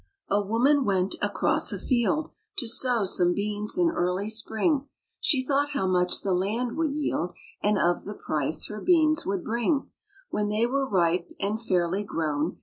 A WOMAN went across a field To sow some beans in early spring ; She thought how much the land would yield, And of the price her beans woidd bring When they were ripe and fairly grown.